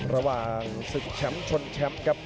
ระหว่างศึกแชมป์ชนแชมป์ครับ